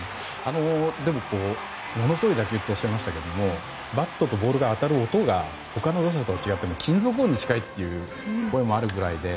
でも、ものすごい打球とおっしゃいましたけどバットとボールが当たる音が他の打者とは違って金属音に近いというところもあるくらいで。